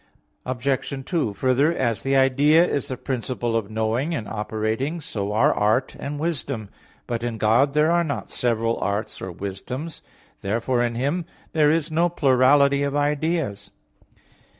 Obj. 2: Further, as the idea is the principle of knowing and operating, so are art and wisdom. But in God there are not several arts or wisdoms. Therefore in Him there is no plurality of ideas.